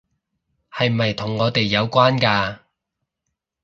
係咪同我哋有關㗎？